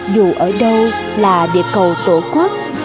dù ở đâu là địa cầu tổ quốc